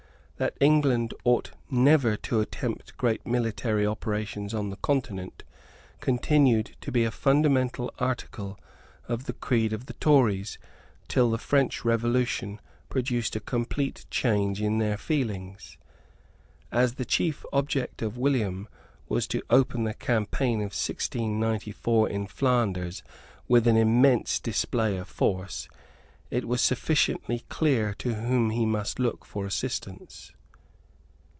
That England ought never to attempt great military operations on the Continent continued to be a fundamental article of the creed of the Tories till the French Revolution produced a complete change in their feelings. As the chief object of William was to open the campaign of 1694 in Flanders with an immense display of force, it was sufficiently clear to whom he must look for assistance.